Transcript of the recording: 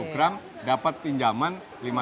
dua puluh gram dapat pinjaman